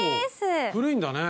結構古いんだね